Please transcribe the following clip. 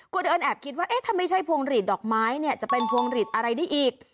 คุณเอิญแอบคิดว่าถ้าไม่ใช่ภวงฤทธิ์ดอกไม้จะเป็นภวงฤทธิ์อะไรนี่อีก